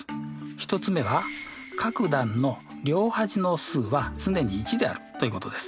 １つ目は各段の両端の数は常に１であるということです。